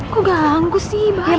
kok ganggu sih bahaya takut